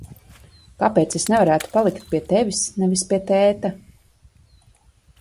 Kāpēc es nevarētu palikt pie tevis, nevis pie tēta?